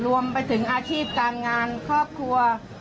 รวมไปถึงอาชีพการงานครอบครัว